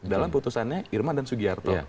dalam putusannya irman dan sugiarto